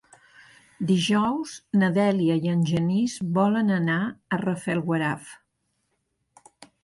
Dijous na Dèlia i en Genís volen anar a Rafelguaraf.